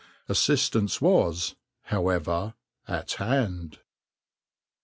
Assistance was, however, at hand.